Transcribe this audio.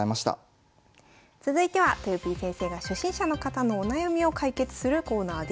続いてはとよぴー先生が初心者の方のお悩みを解決するコーナーです。